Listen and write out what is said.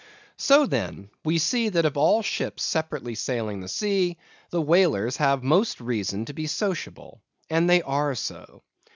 So, then, we see that of all ships separately sailing the sea, the whalers have most reason to be sociable—and they are so.